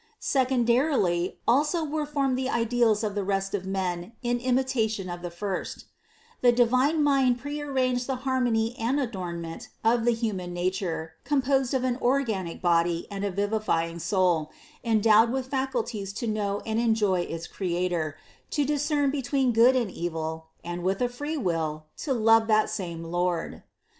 Secondarily, also were formed the ideals of the rest of men in imitation of the First The divine mind prearranged the harmony and adornment of the human nature composed of an organic body and a vivifying soul, endowed with facul ties to know and enjoy its Creator, to discern between good and evil, and with a free will to love that same Lord.